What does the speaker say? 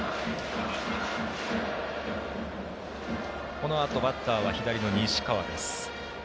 このあとバッターは左の西川です。